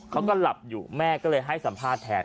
เขาก็หลับอยู่แม่ก็เลยให้สัมภาษณ์แทน